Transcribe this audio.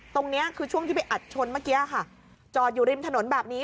ตรงนี้คือช่วงที่ไปอัดชนเมื่อกี้ค่ะจอดอยู่ริมถนนแบบนี้